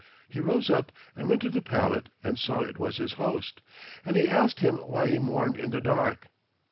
He rose up and went to the pallet and saw it was his host, and he asked him why he mourned in the dark.